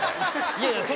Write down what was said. いやいや何？